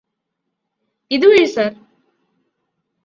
ഇതുവഴി സര്